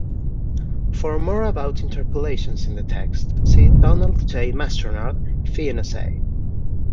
For more about interpolations in the text, see Donald J. Mastronarde, "Phoenissae".